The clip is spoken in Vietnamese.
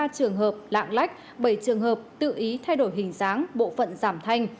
ba trường hợp lạng lách bảy trường hợp tự ý thay đổi hình dáng bộ phận giảm thanh